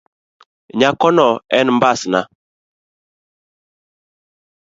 Nyakono en mbasna.